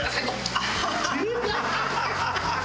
ハハハハ！